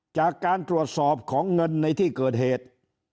จากการตรวจสอบของเงินในที่เกิดเหตุ